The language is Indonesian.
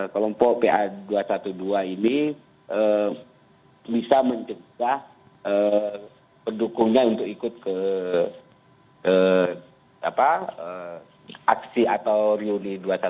kelompok pa dua ratus dua belas ini bisa mencegah pendukungnya untuk ikut ke aksi atau reuni dua ratus dua belas